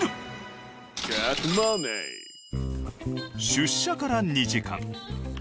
出社から２時間。